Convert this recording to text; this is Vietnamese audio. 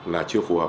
là chưa phù hợp